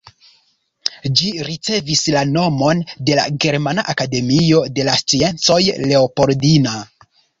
Ĝi ricevis la nomon de la Germana Akademio de la Sciencoj Leopoldina.